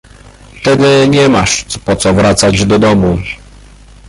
— Tedy nie masz po co wracać do domu!